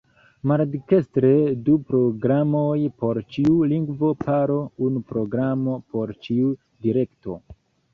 Maldekstre: Du programoj por ĉiu lingvo-paro, unu programo por ĉiu direkto.